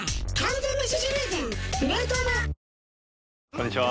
こんにちは。